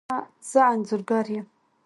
زه انځورګر یم